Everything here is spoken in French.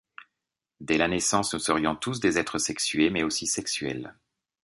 Dès la naissance, nous serions tous des êtres sexués mais aussi sexuels.